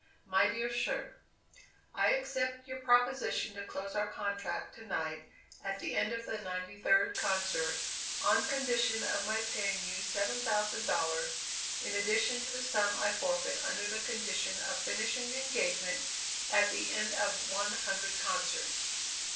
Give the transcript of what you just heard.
"MY DEAR SIR: I accept your proposition to close our contract to night, at the end of the ninety third concert, on condition of my paying you seven thousand dollars, in addition to the sum I forfeit under the condition of finishing the engagement at the end of one hundred concerts.